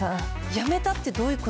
やめたってどういうこと？